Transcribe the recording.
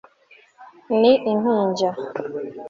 ni impinja